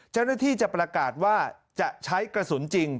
เจ้าหน้าที่จะประกาศว่าจะใช้กระสุนจริง